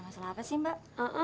masalah apa sih mbak